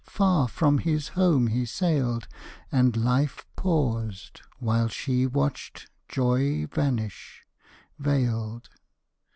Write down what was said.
Far from his home he sailed: And life paused; while she watched joy vanish, vailed.